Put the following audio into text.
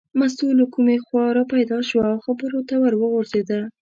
مستو له کومې خوا را پیدا شوه او خبرو ته ور وغورځېده.